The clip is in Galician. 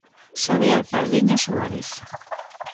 Xabier Pardiñas Suárez.